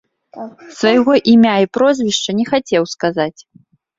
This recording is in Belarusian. Свайго імя і прозвішча не хацеў сказаць.